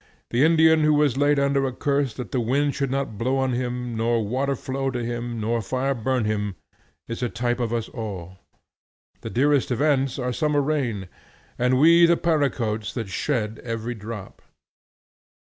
The Indian who was laid under a curse that the wind should not blow on him, nor water flow to him, nor fire burn him, is a type of us all. The dearest events are summer rain, and we the Para coats that shed every drop.